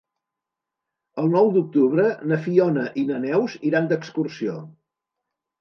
El nou d'octubre na Fiona i na Neus iran d'excursió.